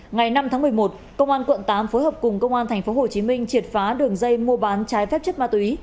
ngày năm tháng một mươi một công an quận tám phối hợp cùng công an tp hcm triệt phá đường dây mua bán trái phép chất ma túy